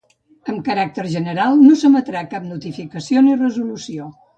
Amb caràcter general, no s'emetrà cap notificació ni resolució.